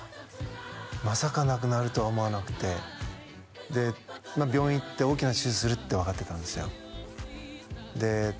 まさか亡くなるとは思わなくてで病院行って大きな手術するって分かってたんですよで